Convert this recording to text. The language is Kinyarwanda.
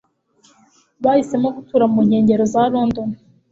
Bahisemo gutura mu nkengero za London.